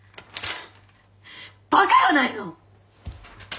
バカじゃないの？